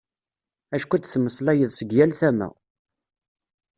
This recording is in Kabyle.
Acku ad d-temmeslayeḍ seg yal tama.